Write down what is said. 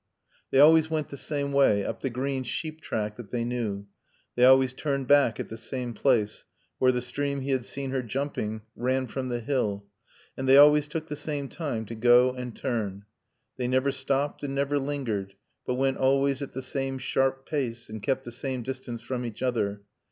They always went the same way, up the green sheep track that they knew; they always turned back at the same place, where the stream he had seen her jumping ran from the hill; and they always took the same time to go and turn. They never stopped and never lingered; but went always at the same sharp pace, and kept the same distance from each other.